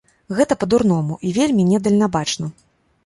Гэта па-дурному і вельмі недальнабачна.